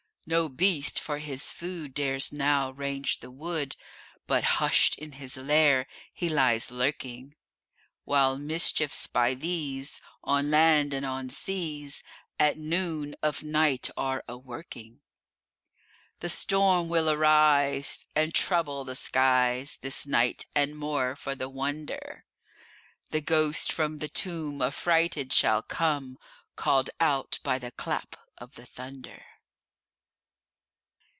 No beast, for his food, Dares now range the wood, But hush'd in his lair he lies lurking; While mischiefs, by these, On land and on seas, At noon of night are a working. The storm will arise, And trouble the skies This night; and, more for the wonder, The ghost from the tomb Affrighted shall come, Call'd out by the clap of the thunder.